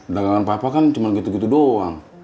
dagangan papa kan cuma gitu gitu doang